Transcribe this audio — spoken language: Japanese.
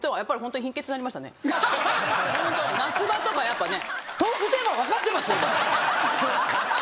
夏場とかやっぱね。